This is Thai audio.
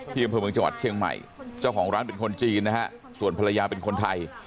อำเภอเมืองจังหวัดเชียงใหม่เจ้าของร้านเป็นคนจีนนะฮะส่วนภรรยาเป็นคนไทย